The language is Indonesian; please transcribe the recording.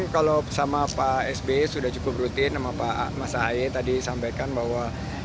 kalau bersama pak sby sudah cukup rutin sama pak masahaye tadi sampaikan bahwa